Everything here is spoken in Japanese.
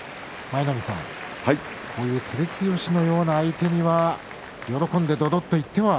舞の海さん照強のような相手には喜んでどどっといっては。